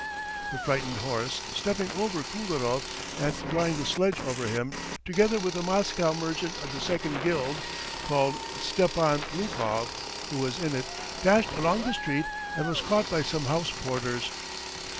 The frightened horse, stepping over Kuldarov and drawing the sledge over him, together with a Moscow merchant of the second guild called Stepan Lukov, who was in it, dashed along the street and was caught by some house porters.